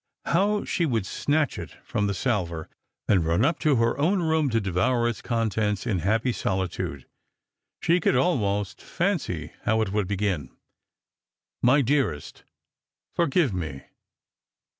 How she woidd snatch it from the salver, and run up to her own room to devour its contents in happy solitude ! She could almost fancy hew it would begin :" My dearest, — Forgive me